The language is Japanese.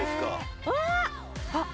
うわっ！